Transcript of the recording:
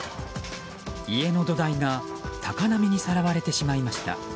家の土台が高波にさらわれてしまいました。